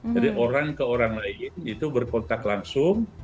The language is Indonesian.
jadi orang ke orang lain itu berkontak langsung